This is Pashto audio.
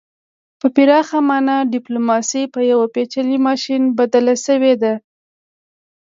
په پراخه مانا ډیپلوماسي په یو پیچلي ماشین بدله شوې ده